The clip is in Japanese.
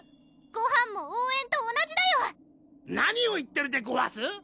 ごはんも応援と同じだよ何を言ってるでごわす？